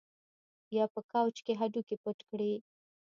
یا په کوچ کې هډوکي پټ کړي